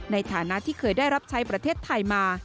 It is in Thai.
ในฐานะที่เคยได้รับใช้ประเทศไทยมา